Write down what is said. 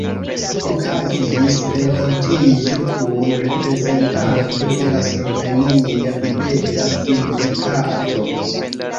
Okazis renkontiĝo kun reprezentanto de la slovenia libera sindikato.